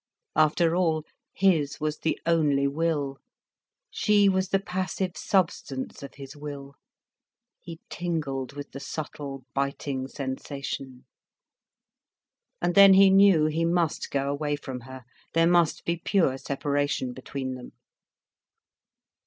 After all, his was the only will, she was the passive substance of his will. He tingled with the subtle, biting sensation. And then he knew, he must go away from her, there must be pure separation between them.